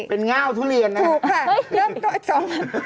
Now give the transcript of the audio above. เป็นเง้าทุเรียนถูกค่ะ